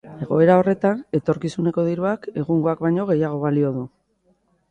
Egoera horretan, etorkizuneko diruak egungoak baino gehiago balioko du.